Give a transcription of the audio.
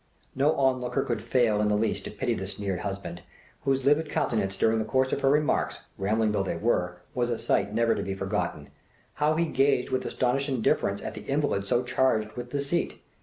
No onlooker could fail in the least to pity the sneered husband, whose livid countenance during the course of her remarks, rambling though they were, was a sight never to be forgotten. How he gazed with astonished indifference at the invalid so charged with deceit!